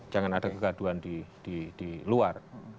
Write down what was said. jangan ada kegaduan di luar